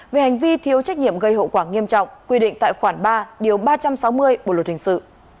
về hành vi thiếu trách nhiệm gây hậu quả nghiêm trọng quy định tại khoản ba điều ba trăm sáu mươi bộ luật hình sự